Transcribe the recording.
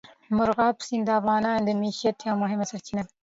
مورغاب سیند د افغانانو د معیشت یوه مهمه سرچینه ده.